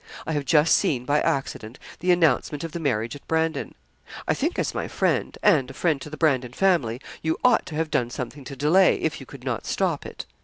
I have just seen by accident the announcement of the marriage at Brandon. I think as my friend, and a friend to the Brandon family, you ought to have done something to delay, if you could not stop it.